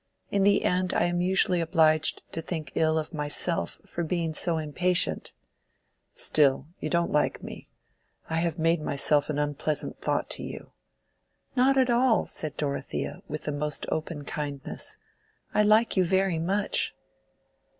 In the end I am usually obliged to think ill of myself for being so impatient." "Still, you don't like me; I have made myself an unpleasant thought to you." "Not at all," said Dorothea, with the most open kindness. "I like you very much."